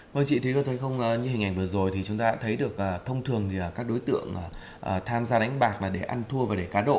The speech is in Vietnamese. vâng chị như hình ảnh vừa rồi chúng ta đã thấy được thông thường các đối tượng tham gia đánh bạc để ăn thua và để cá độ